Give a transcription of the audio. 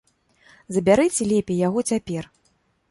Забярыце лепей яго цяпер!